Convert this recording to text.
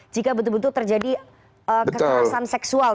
jika betul betul terjadi kekerasan seksual